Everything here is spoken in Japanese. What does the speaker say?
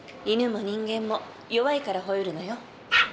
犬も人間も弱いからほえるのよ。